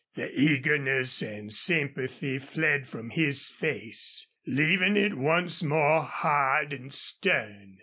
The eagerness and sympathy fled from his face, leaving it once more hard and stern.